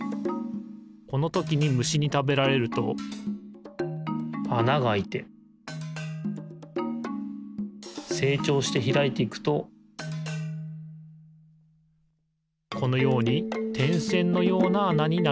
このときにむしにたべられるとあながあいてせいちょうしてひらいていくとこのようにてんせんのようなあなになるのです